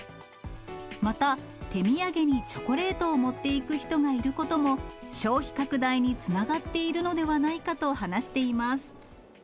また、手土産にチョコレートを持っていく人がいることも、消費拡大につながっているのではないかと話しています。